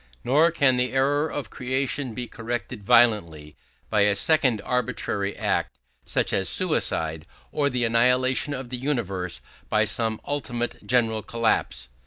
Nor can the error of creation be corrected violently by a second arbitrary act, such as suicide, or the annihilation of the universe by some ultimate general collapse.